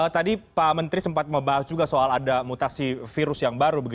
tadi pak menteri sempat membahas juga soal ada mutasi virus yang baru